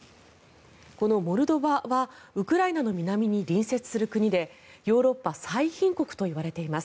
このモルドバはウクライナの南に隣接する国でヨーロッパ最貧国といわれています。